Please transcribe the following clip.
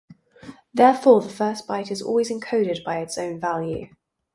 Therefore, the first byte is always encoded by its own value.